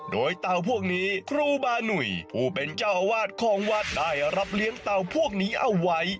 โดยเต่าพวกนี้ครูบาหนุ่ยผู้เป็นเจ้าอาวาสของวัดได้รับเลี้ยงเต่าพวกนี้เอาไว้